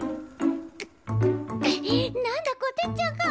何だこてっちゃんか。